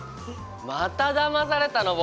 まただまされたの僕。